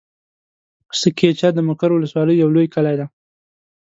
سه کېچه د مقر ولسوالي يو لوی کلی دی.